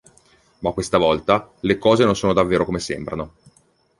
Ma questa volta, le cose non sono davvero come sembrano.